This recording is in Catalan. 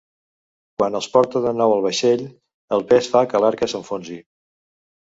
Quan els porta de nou al vaixell, el pes fa que l'arca s'enfonsi.